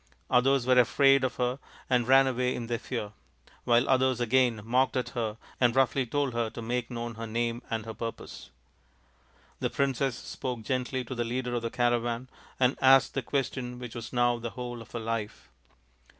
Others were afraid of her and ran away in their fear, while others again mocked at her and roughly told her to make known her name and her purpose. The princess spoke gently to the leader of the caravan and asked the question which was now the whole of her life.